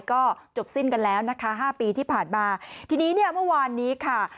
ก็จบสิ้นกันแล้วนะคะห้าปีที่ผ่านมาทีนี้เนี่ยเมื่อวานนี้ค่ะ